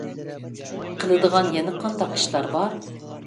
قىلىدىغان يەنە قانداق ئىشلار بار؟